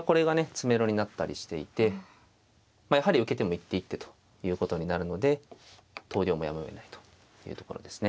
詰めろになったりしていてやはり受けても一手一手ということになるので投了もやむをえないというところですね。